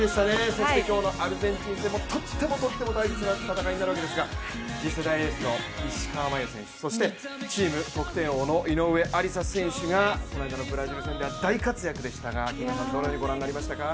そして今日のアルゼンチン戦もとってもとっても大事な戦いになるわけですが、次世代エースの石川真佑選手そして、チーム得点王の井上愛里沙選手がこの間のブラジル戦では大活躍でしたがどのようにご覧になりましたか？